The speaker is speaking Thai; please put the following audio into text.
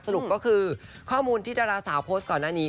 สรุปก็คือข้อมูลที่ดาราสาวโพสต์ก่อนหน้านี้